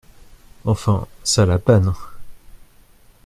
Enfin, ça la panne !…